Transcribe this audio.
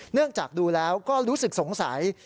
เนื่องจากดูแล้วก็รู้สึกสงสัย